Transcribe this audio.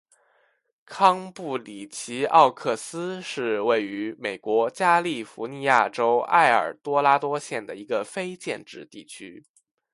康布里奇奥克斯是位于美国加利福尼亚州埃尔多拉多县的一个非建制地区。